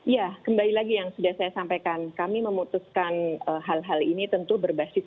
ya kembali lagi yang sudah saya sampaikan kami memutuskan hal hal ini tentu berbasis